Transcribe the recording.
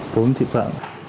tốn thịt vợ